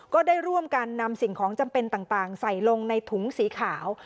ก็ได้ร่วมกันนำสิ่งของจำเป็นต่างใส่ลงในถุงสีขาว